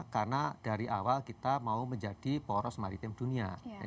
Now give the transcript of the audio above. karena dari awal kita mau menjadi poros maritim dunia